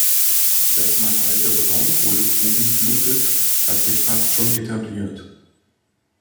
Dass man alte Braunkohlegruben flutet, hat sich fast schon etabliert.